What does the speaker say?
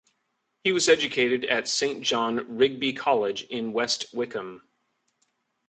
He was educated at Saint John Rigby College in West Wickham.